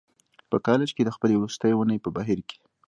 په کالج کې د خپلې وروستۍ اونۍ په بهير کې.